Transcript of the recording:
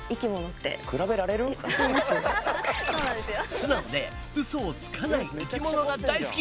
素直でウソをつかない生き物が大好き！